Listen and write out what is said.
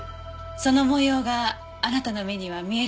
その模様があなたの目には見えるんですね。